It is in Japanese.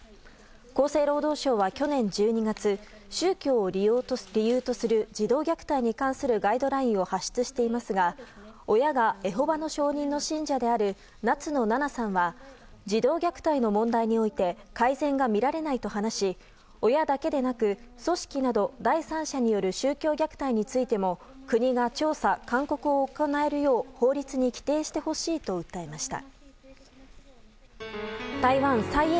厚生労働省は去年１２月宗教を理由とする児童虐待に関するガイドラインを発出していますが親がエホバの証人の信者である夏野ななさんは児童虐待の問題において改善が見られないと話し親だけでなく組織など第三者による宗教虐待についても国が調査・勧告を行えるよう法律に規定してほしいと訴えました。